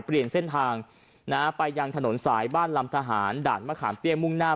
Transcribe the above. เปลี่ยนเส้นทางนะฮะไปยังถนนสายบ้านลำทหารด่านมะขามเตี้ยมุ่งหน้า